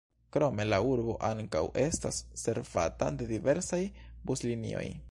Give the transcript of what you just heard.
Krome la urbo ankaŭ estas servata de diversaj buslinioj.